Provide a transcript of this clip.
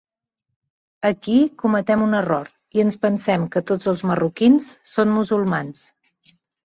Aquí cometem un error i ens pensem que tots els marroquins són musulmans.